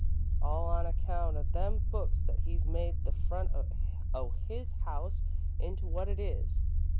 It's all on account o' them books that he's made the front o' his house into what it is.